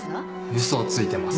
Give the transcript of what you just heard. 嘘をついてます。